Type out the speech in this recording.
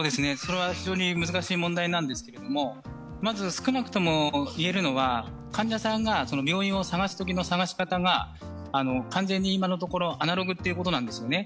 それは非常に難しい問題なんですけれども、まず少なくとも言えるのは患者さんが病院を探すときの探し方が完全に今のところアナログってことなんですね。